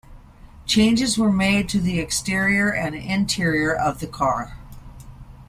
Changes were made to the exterior and interior of the car.